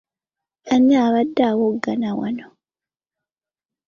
Ani abadde awoggana wano.